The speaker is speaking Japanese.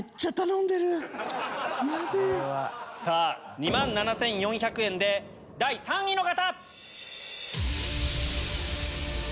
２万７４００円で第３位の方！